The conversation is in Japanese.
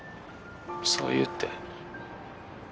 そういうって？